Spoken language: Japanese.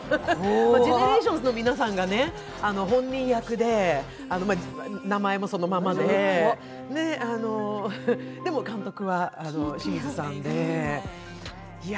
ＧＥＮＥＲＡＴＩＯＮＳの皆さんが本人役で、名前もそのままで、でも監督は清水さんで。